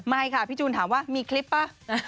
ไม่ค่ะพี่จูนถามว่ามีคลิปป่ะ